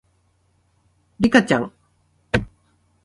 リカちゃん